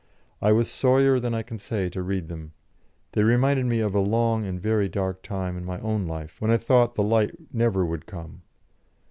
I was sorrier than I can say to read them. They reminded me of a long and very dark time in my own life, when I thought the light never would come.